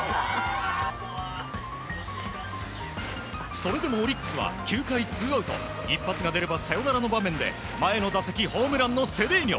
それでもオリックスは９回ツーアウト一発が出ればサヨナラの場面で前の打席ホームランのセデーニョ。